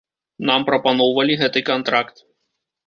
Нам прапаноўвалі гэты кантракт.